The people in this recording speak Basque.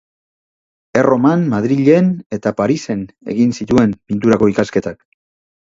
Erroman, Madrilen eta Parisen egin zituen pinturako ikasketak.